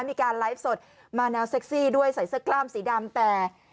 มีการไลฟ์สดมาแนวเซ็กซี่ด้วยใส่เสื้อกล้ามสีดำแต่